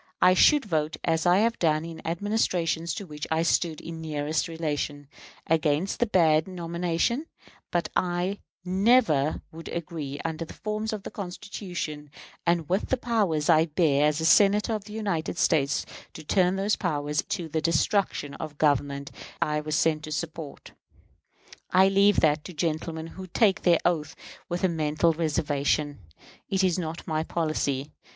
I should vote, as I have done in Administrations to which I stood in nearest relation, against a bad nomination; but I never would agree, under the forms of the Constitution, and with the powers I bear as a Senator of the United States, to turn those powers to the destruction of the Government I was sent to support. I leave that to gentlemen who take the oath with a mental reservation. It is not my policy.